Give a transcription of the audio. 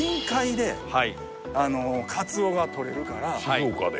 静岡で？